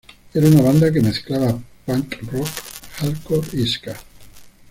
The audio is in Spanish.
Era una banda que mezclaba punk rock, hardcore y ska.